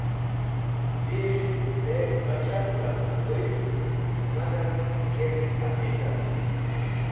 Z̃ẽs̃h endeg gha shak lavz sẽdhũyd magm yemi hẽqiqat.